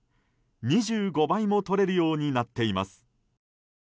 ２５倍もとれるようになっています。